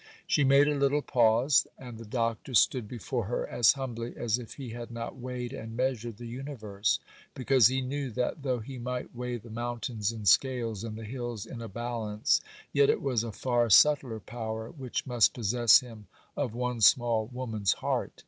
She made a little pause, and the Doctor stood before her as humbly as if he had not weighed and measured the universe; because he knew that though he might weigh the mountains in scales, and the hills in a balance, yet it was a far subtler power which must possess him of one small woman's heart.